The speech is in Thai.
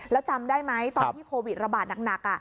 แล้วจำได้ไหมตอนที่โควิดระบาดหนัก